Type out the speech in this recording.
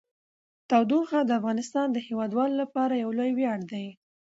تودوخه د افغانستان د هیوادوالو لپاره یو لوی ویاړ دی.